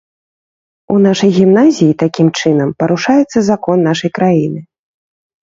У нашай гімназіі, такім чынам, парушаецца закон нашай краіны.